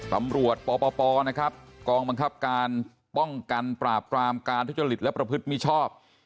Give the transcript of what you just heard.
ตำรวจปปนะครับกองบังคับการป้องกันปราบปรามการทุจริตและประพฤติมิชอบ